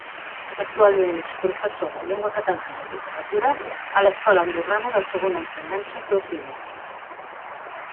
Actualment és professor de llengua catalana i literatura a l'Escola Andorrana de Segona Ensenyança d'Ordino.